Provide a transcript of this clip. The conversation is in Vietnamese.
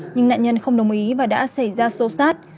nhưng nạn nhân không đồng ý và đã xảy ra xô xát